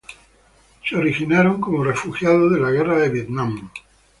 En los Estados Unidos se originaron como refugiados de la guerra de Vietnam.